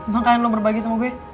makanan lo berbagi sama gue